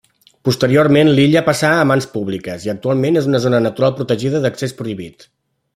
Posteriorment l'illa passà a mans públiques, i actualment és una zona natural protegida d'accés prohibit.